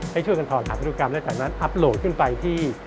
ให้ช่วยกันถอดหัสพันธุกรรมใดนั้นอัพโหลดขึ้นไปที่